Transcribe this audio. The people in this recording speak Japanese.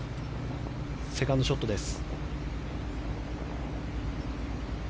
セカンドショットです。